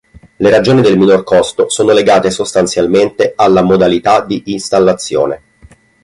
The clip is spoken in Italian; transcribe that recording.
Le ragioni del minor costo sono legate sostanzialmente alla modalità di installazione.